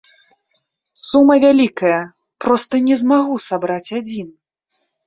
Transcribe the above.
Сума вялікая, проста не змагу сабраць адзін!